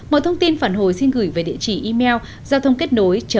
mọi thông tin phản hồi xin gửi về địa chỉ email giao thôngkếtnối thnj com